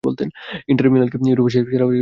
Inter মিলানকে Europe সেরা করেছিলেন হোসে মরিনহো।